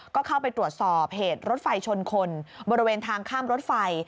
ก็เข้าไปตรวจสอบเหตุรถไฟชนคนบริเวณทางข้ามรถไฟ